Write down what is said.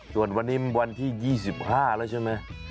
จนวันนี้มันวันที่๒๕แล้วใช่ไหม